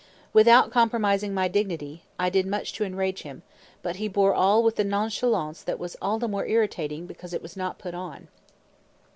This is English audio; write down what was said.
Without compromising my dignity, I did much to enrage him; but he bore all with a nonchalance that was the more irritating because it was not put on.